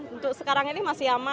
untuk sekarang ini masih aman